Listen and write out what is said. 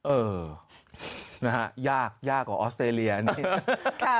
เออนะฮะยากยากกว่าออสเตรเลียอันนี้ค่ะ